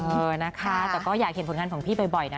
เออนะคะแต่ก็อยากเห็นผลงานของพี่บ่อยนะ